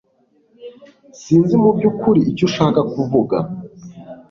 Sinzi mubyukuri icyo ushaka kuvuga